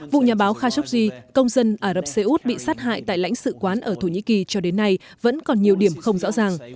vụ nhà báo khashoggi công dân ả rập xê út bị sát hại tại lãnh sự quán ở thổ nhĩ kỳ cho đến nay vẫn còn nhiều điểm không rõ ràng